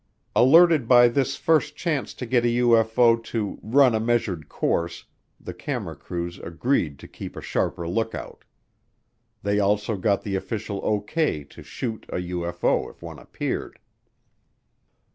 Alerted by this first chance to get a UFO to "run a measured course," the camera crews agreed to keep a sharper lookout. They also got the official O.K. to "shoot" a UFO if one appeared.